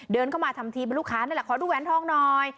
เดินเข้ามาทำทีเป็นลูกค้านี่แหละขอดูแหวนทองหน่อย